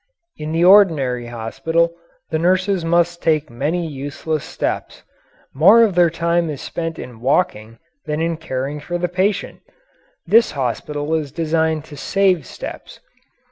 In the ordinary hospital the nurses must make many useless steps. More of their time is spent in walking than in caring for the patient. This hospital is designed to save steps.